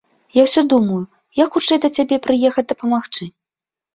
Я ўсё думаю, як хутчэй да цябе прыехаць дапамагчы.